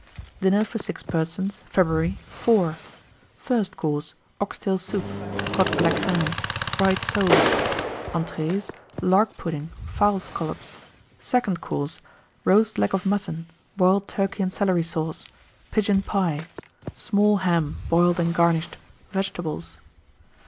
1916. DINNER FOR 6 PERSONS (February). IV. FIRST COURSE. Ox tail Soup. Cod à la Crême. Fried Soles. ENTREES. Lark Pudding. Fowl Scollops. SECOND COURSE. Roast Leg of Mutton. Boiled Turkey and Celery Sauce. Pigeon Pie. Small Ham, boiled and garnished. Vegetables.